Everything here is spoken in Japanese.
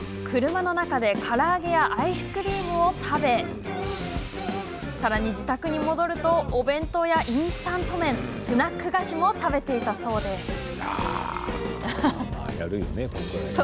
車の中で、から揚げやアイスクリームを食べ自宅に戻ると、さらにお弁当やインスタント麺スナック菓子も食べていたそうです。